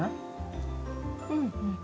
うん。